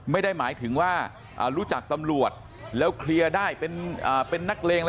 ไม่ได้หมายถึงว่ารู้จักตำรวจแล้วเคลียร์ได้เป็นนักเลงอะไร